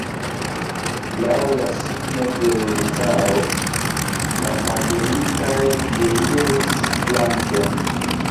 Laŭ la signo de l' caro, la pardonitaj deiris flanken.